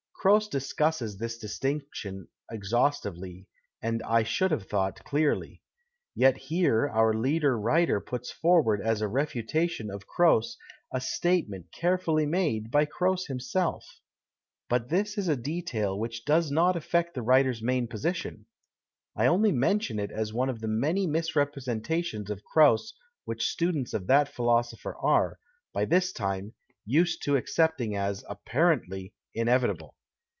Croce discusses this distinction exhaustively, and, I should have thought, clearly. Yet here our leader writer puts forward as a refutation of Croce a state ment carefully made by Croce himself. But this is a detail which does not affect the writer's main position. I only mention it as one of the many misrepresentations of Croce which students of tliat 79 PASTICHE AND PREJUDICE philosopher are, by this time, used to accepting as, apparently, inevitable.